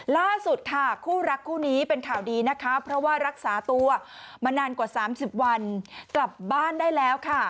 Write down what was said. ล่าสุดค่ะคู่รักคู่นี้เป็นข่าวดีนะคะเพราะว่ารักษาตัวมานานกว่า๓๐วันกลับบ้านได้แล้วค่ะ